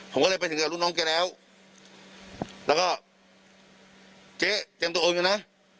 ผมก็เลยไปถึงกับรุ่นน้องแกแล้วแล้วก็เจ๊เตรียมตัวโอมอยู่นะ